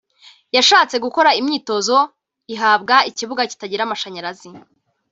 yashatse gukora imyitozo ihabwa ikibuga kitagira amashanyarazi